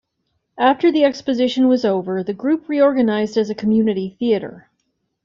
After the exposition was over, the group reorganized as a community theatre.